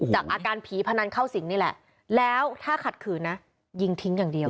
อาการผีพนันเข้าสิงนี่แหละแล้วถ้าขัดขืนนะยิงทิ้งอย่างเดียว